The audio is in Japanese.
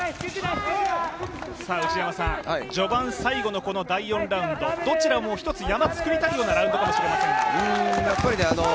序盤最後の第４ラウンド、どちらも一つヤマを作りたくなるラウンドかもしれませんが。